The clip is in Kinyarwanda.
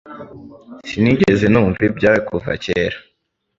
Sinigeze numva ibyawe kuva kera.